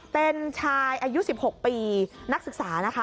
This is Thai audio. เป็นชายอายุ๑๖ปีนักศึกษานะคะ